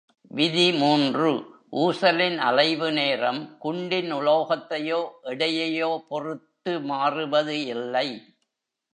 விதி மூன்று ஊசலின் அலைவு நேரம் குண்டின் உலோகத்தையோ, எடையையோ பொறுத்து மாறுவது இல்லை.